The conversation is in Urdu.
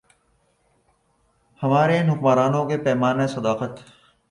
ہمارے ان حکمرانوں کے پیمانۂ صداقت۔